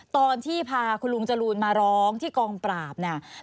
ตอนที่พาคุณลุงจรูนมาร้องที่กองปราบเนี่ย